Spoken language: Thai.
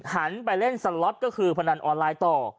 หันไปเล่นสล็อตก็คือพนันออนไลน์ต่อ